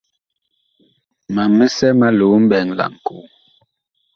Mam misɛ ma loo mɓɛɛŋ laŋkoo.